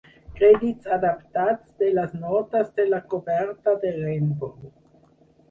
Crèdits adaptats de les notes de la coberta de "Rainbow".